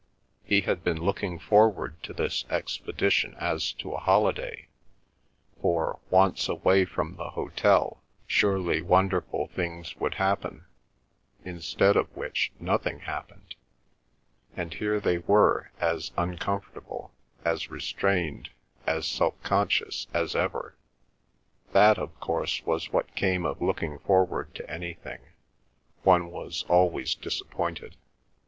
He had been looking forward to this expedition as to a holiday, for, once away from the hotel, surely wonderful things would happen, instead of which nothing happened, and here they were as uncomfortable, as restrained, as self conscious as ever. That, of course, was what came of looking forward to anything; one was always disappointed.